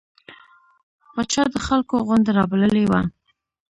پاچا د خلکو غونده رابللې وه.